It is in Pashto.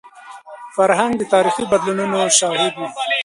فرهنګ د تاریخي بدلونونو شاهد وي.